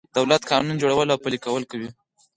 دولت قانون جوړول او پلي کول کوي.